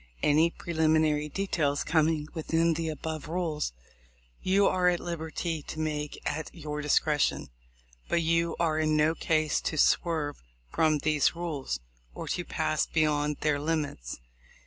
Any preliminary details coming within the above rules, you are at liberty to make at your discretion; but you are in no case to swerve from these rules, or to pass beyond their limits.